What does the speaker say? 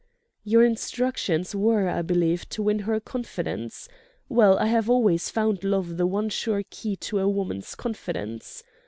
"Your instructions were, I believe, to win her confidence. Well—I have always found love the one sure key to a woman's confidence.